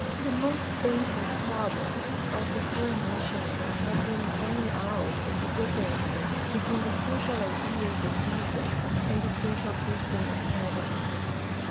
The most painful problems of the foreign missionary have been those growing out of the differences between the social ideals of Jesus and the social customs of heathenism.